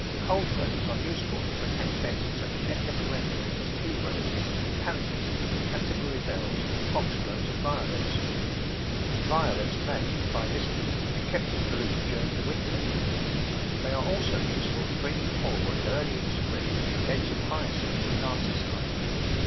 Cold frames are useful to protect beds of such tender perennials as Tea roses, Pansies, Canterbury bells, Foxgloves and Violets. Violets Digitized by Google 38 The Flower Garden [Chapter may, by this means, be kept in bloom during the win ter. They are also useful for bringing forward, early in spring, beds of Hyacinths and Narcissi.